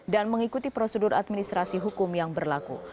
dan mengikuti prosedur administrasi hukum yang berlaku